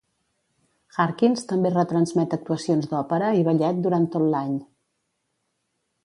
Harkins també retransmet actuacions d'òpera i ballet durant tot l'any.